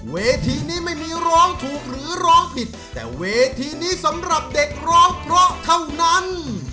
เวทีนี้ไม่มีร้องถูกหรือร้องผิดแต่เวทีนี้สำหรับเด็กร้องเพราะเท่านั้น